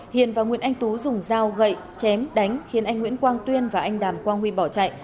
hiền và nguyễn anh tú dùng dao gậy chém đánh khiến anh nguyễn quang tuyên và anh đàm quang huy bỏ chạy